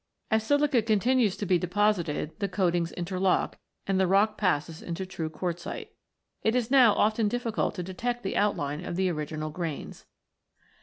As silica continues to be deposited, the coatings interlock, and the rock passes into true quartzite. It is now often difficult to detect the outline of the original grains.